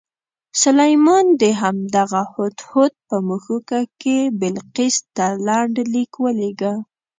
سلیمان د همدغه هدهد په مښوکه کې بلقیس ته لنډ لیک ولېږه.